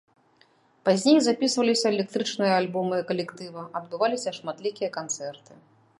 Пазней запісваліся электрычныя альбомы калектыва, адбываліся шматлікія канцэрты.